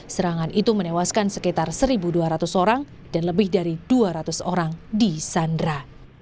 serangan itu menewaskan sekitar satu dua ratus orang dan lebih dari dua ratus orang di sandra